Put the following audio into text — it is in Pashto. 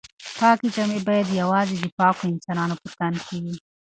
پاکې جامې باید یوازې د پاکو انسانانو په تن کې وي.